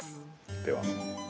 では。